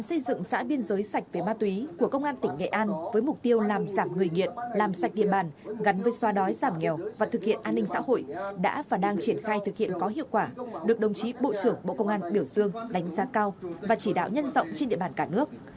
xây dựng xã biên giới sạch về ma túy của công an tỉnh nghệ an với mục tiêu làm giảm người nghiện làm sạch địa bàn gắn với xóa đói giảm nghèo và thực hiện an ninh xã hội đã và đang triển khai thực hiện có hiệu quả được đồng chí bộ trưởng bộ công an biểu dương đánh giá cao và chỉ đạo nhân rộng trên địa bàn cả nước